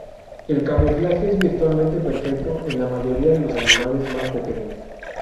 El camuflaje es virtualmente perfecto en la mayoría de los animales más pequeños.